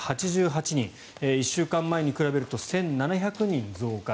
１週間前に比べると１７００人増加。